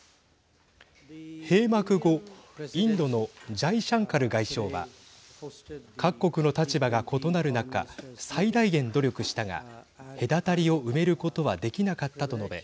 閉幕後、インドのジャイシャンカル外相は各国の立場が異なる中最大限努力したが隔たりを埋めることはできなかったと述べ